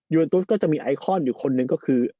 ยูเวนตุสจะมีไอคอนอยู่คนนึงก็คือ